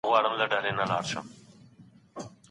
نوي تجربې د ژوند لید بدلوي.